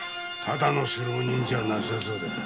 ただの素浪人じゃなさそうだ。